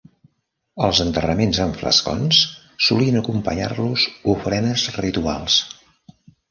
Als enterraments en flascons solien acompanyar-los ofrenes rituals.